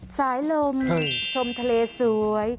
สายลมชมทะเลสวย